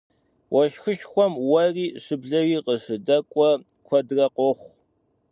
Уэшхышхуэм уэри щыблэри къыщыдэкӏуэ куэдрэ къохъу.